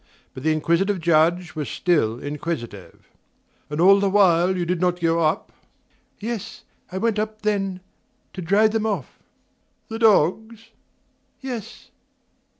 But the inquisitive Judge was still inquisitive.) "And all the while you did not go up?" "Yes I went up then to drive them off." "The dogs?" "Yes."